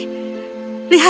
apakah ku danmu menlagenya